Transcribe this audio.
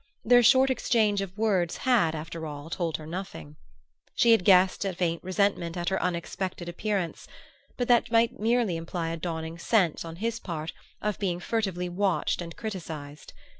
Their short exchange of words had, after all, told her nothing. She had guessed a faint resentment at her unexpected appearance; but that might merely imply a dawning sense, on his part, of being furtively watched and criticised.